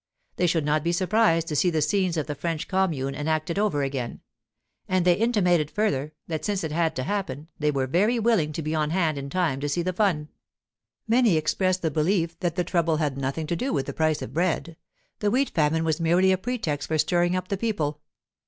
They should not be surprised to see the scenes of the French Commune enacted over again; and they intimated further, that since it had to happen, they were very willing to be on hand in time to see the fun. Many expressed the belief that the trouble had nothing to do with the price of bread; the wheat famine was merely a pretext for stirring up the people.